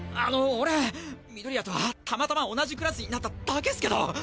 俺緑谷とはたまたま同じクラスになっただけスけど。